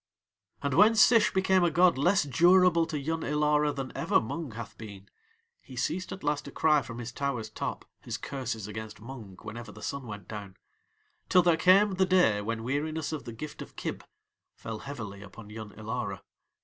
And when Sish became a god less durable to Yun Ilara than ever Mung hath been he ceased at last to cry from his tower's top his curses against Mung whenever the sun went down, till there came the day when weariness of the gift of Kib fell heavily upon Yun Ilara.